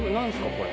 これ。